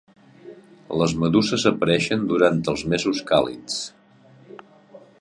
Les meduses apareixen durant els mesos càlids.